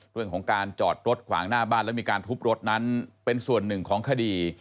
เรื่องของการจอดรถขวางหน้าบ้านแล้วมีการทุบรถนั้นเป็นส่วนหนึ่งของคดี